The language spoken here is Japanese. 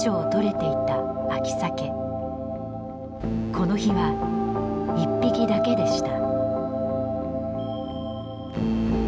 この日は１匹だけでした。